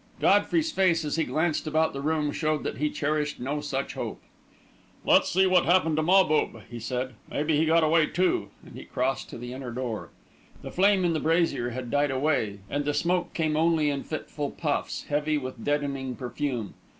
Godfrey's face, as he glanced about the room, showed that he cherished no such hope. "Let's see what happened to Mahbub," he said. "Maybe he got away, too," and he crossed to the inner door. The flame in the brazier had died away, and the smoke came only in fitful puffs, heavy with deadening perfume.